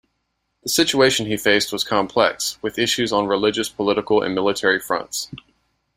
The situation he faced was complex, with issues on religious, political and military fronts.